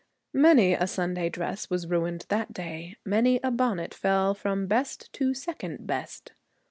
Many a Sunday dress was ruined that day, many a bonnet fell from best to second best.